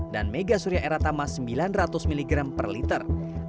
dan mega surya eratama sembilan ratus mg per liter